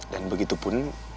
dan begitu pun